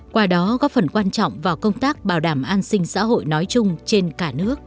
qua đó góp phần quan trọng vào công tác bảo đảm an sinh xã hội nói chung trên cả nước